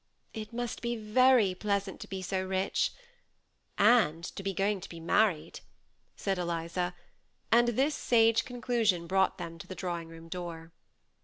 " It must be very pleasant to be so rich "" And to be going to be married," said Eliza ; and this sage conclusion brought them to the drawing room door.